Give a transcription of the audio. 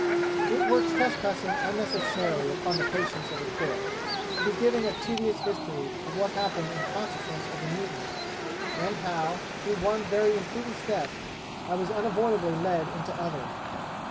'It were trespassing unnecessarily upon the patience of the Court, to be giving a tedious history of what happened in consequence of the mutiny, and how, through one very imprudent step, I was unavoidably led into others.